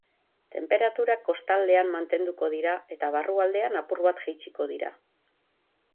Tenperaturak kostaldean mantenduko dira eta barrualdean apur bat jaitsiko dira.